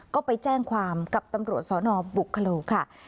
ก็ไปแจ้งความกับตำรวจสนบุคโลค่ะ